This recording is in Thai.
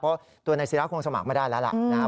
เพราะตัวนายศิราคงสมัครไม่ได้แล้วล่ะนะครับ